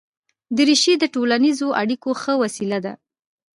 دریشي د ټولنیزو اړیکو ښه وسیله ده.